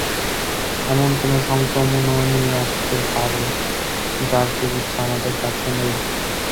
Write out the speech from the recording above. এমন কোনো সংক্রমণও নিয়ে আসতে পারো যার চিকিৎসা আমাদের কাছে নেই।